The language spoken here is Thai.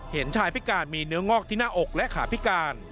เห็นชายพิการมีเนื้องอกที่หน้าอกและขาพิการ